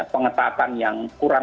pengetatan yang kurang